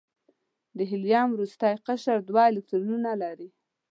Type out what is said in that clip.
د هیلیم وروستی قشر دوه الکترونونه لري.